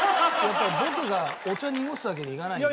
僕がお茶濁すわけにはいかないので。